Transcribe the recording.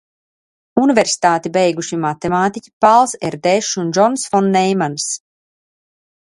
Universitāti beiguši matemātiķi Pāls Erdēšs un Džons fon Neimans.